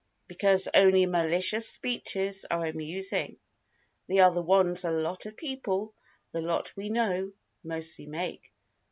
"Because only malicious speeches are amusing, they are the ones 'a lot of people' the lot we know mostly make."